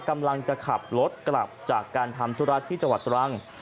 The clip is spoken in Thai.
กำลังจะขับรถกลับจากการทำธุระที่จังหวัดตรัง